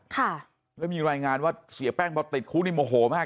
ค่ะแล้วมีรายงานว่าเสียแป้งพอติดคุกนี่โมโหมาก